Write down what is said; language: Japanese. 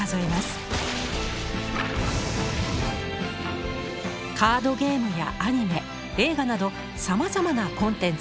カードゲームやアニメ映画などさまざまなコンテンツに展開。